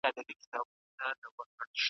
د چا په برخه اولادونه لیکي .